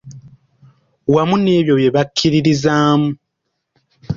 Wamu n’ebyo bye bakkiririzaamu.